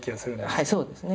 はいそうですね。